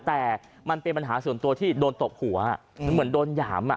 แต่มันเป็นปัญหาส่วนตัวที่โดนตบหัวมันเหมือนโดนหยามอ่ะ